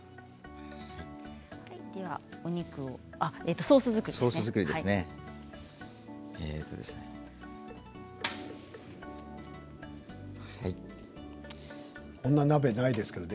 ではお肉をあ、ソース作りですね。